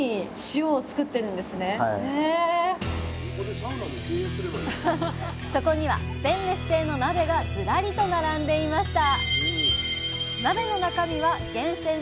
でもそこにはステンレス製の鍋がずらりと並んでいました。